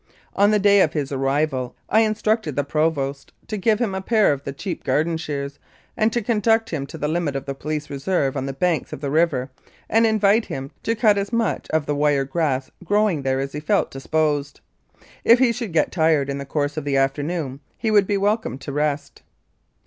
On the day of his arrival I instructed the Provost to give him a pair of the cheap garden shears, and to conduct him to the limit of the police reserve on the banks of the river and invite him to cut as much of the wire grass growing there as he felt disposed. If he should get tired in the course of the afternoon he would be welcome to rest.